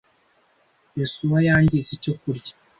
Yosuwa yangize icyo kurya.